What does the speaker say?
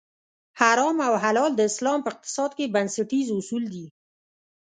حرام او حلال د اسلام په اقتصاد کې بنسټیز اصول دي.